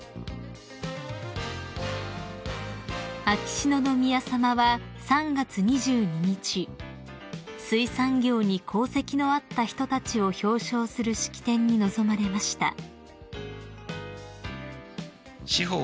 ［秋篠宮さまは３月２２日水産業に功績のあった人たちを表彰する式典に臨まれました］